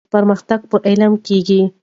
پرمختګ په علم کيږي.